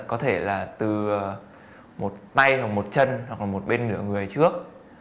có thể là từ một tay hoặc một chân hoặc là một bên nửa người trước